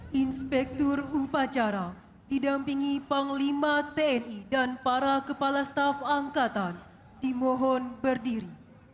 hai inspektur upacara didampingi panglima tni dan para kepala staf angkatan dimohon berdiri